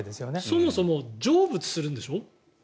そもそも成仏するんでしょ？